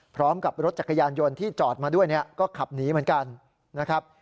พร้อมกับรถจักรยานยนต์ที่จอดมาด้วยเนี่ยก็ขับหนีเหมือนกันนะครับ